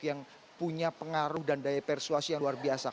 yang punya pengaruh dan daya persuasi yang luar biasa